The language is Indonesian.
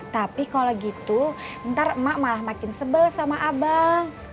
tapi kalau gitu ntar emak malah makin sebel sama abang